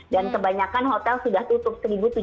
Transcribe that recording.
dan kebanyakan hotel sudah tutup